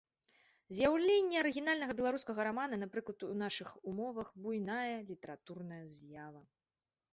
З'яўленне арыгінальнага беларускага рамана, напрыклад, у нашых умовах буйная літаратурная з'ява.